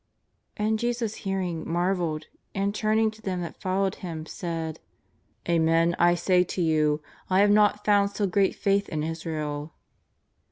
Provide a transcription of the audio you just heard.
'' And Jesus hearing, marvelled, and, turning to them that followed Him, said: ^'Amen, I say to you, I have not found so great faith in Israel."